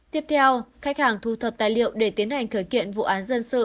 tiếp theo khách hàng thu thập tài liệu để tiến hành khởi kiện vụ án dân sự